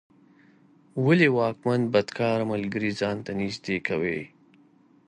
ولي واکمن بدکاره ملګري ځان ته نږدې کوي؟